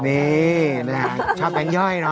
นี่ชอบแบงค์ย่อยเนอ